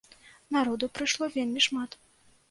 Народу прыйшло вельмі шмат.